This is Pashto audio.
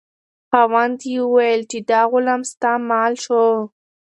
خاوند یې وویل چې دا غلام ستا مال شو.